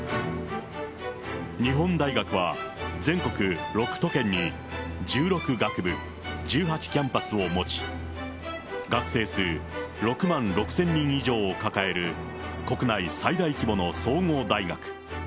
日本大学は全国６都県に１６学部１８キャンパスを持ち、学生数６万６０００人以上を抱える国内最大規模の総合大学。